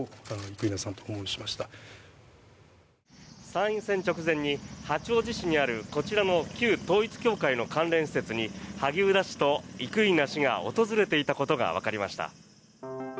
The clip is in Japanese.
参院選直前に八王子市にあるこちらの旧統一教会の関連施設に萩生田氏と生稲氏が訪れていたことがわかりました。